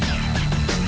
kita harus menang